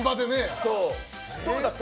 どうだった？